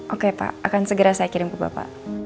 oke pak akan segera saya kirim ke bapak